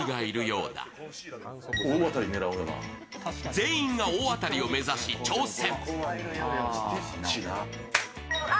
全員が大当たりを目指し挑戦。